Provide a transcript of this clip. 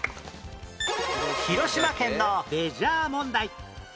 広島県のレジャー問題